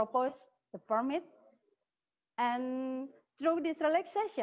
bisa kita pergi ke slide berikutnya ya